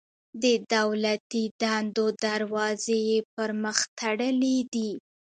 د دولتي دندو دروازې یې پر مخ تړلي دي.